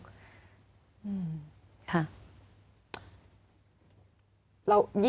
อืม